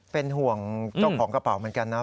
เป็นห่วงเจ้าของกระเป๋าเหมือนกันนะครับ